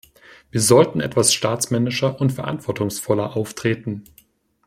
Wir sollten etwas staatsmännischer und verantwortungsvoller auftreten.